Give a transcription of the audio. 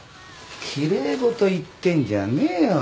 きれいごと言ってんじゃねえよ。